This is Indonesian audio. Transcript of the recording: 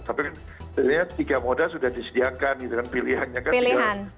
tapi ternyata tiga moda sudah disediakan pilihannya kan tiga